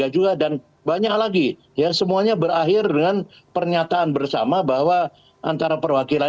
juga dan banyak lagi ya semuanya berakhir dengan pernyataan bersama bahwa antara perwakilan